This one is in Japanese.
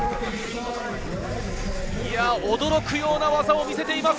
驚くような技を見せています。